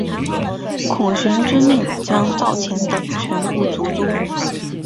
孔循奉命将赵虔等全部族诛。